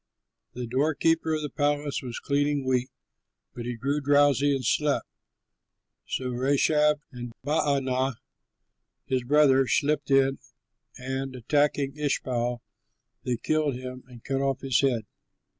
The doorkeeper of the palace was cleaning wheat, but he grew drowsy and slept. So Rechab and Baanah his brother slipped in and, attacking Ishbaal, they killed him and cut off his head.